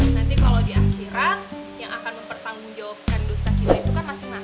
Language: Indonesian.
nanti kalau di akhirat yang akan mempertanggungjawabkan dosa kita itu kan masing masing